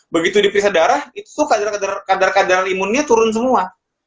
begitu diperiksa darah itu tuh kadar kadaran imunnya turun semua